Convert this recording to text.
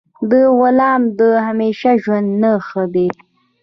د غلام د همیشه ژوند نه ښه دی.